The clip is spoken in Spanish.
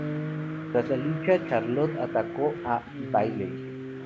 Tras la lucha, Charlotte atacó a Bayley.